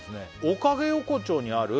「おかげ横丁にある」